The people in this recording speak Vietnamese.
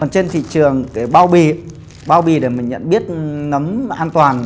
trên thị trường cái bao bì bao bì để mình nhận biết nấm an toàn